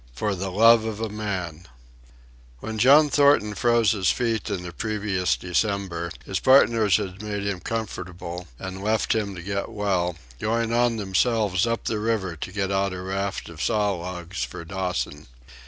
For the Love of a Man When John Thornton froze his feet in the previous December his partners had made him comfortable and left him to get well, going on themselves up the river to get out a raft of saw logs for Dawson.